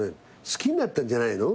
「好きになったんじゃないの？」